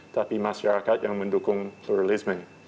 tapi masyarakat yang mendukung pluralisme